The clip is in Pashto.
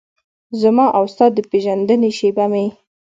زما او ستا د پیژندنې شیبه مې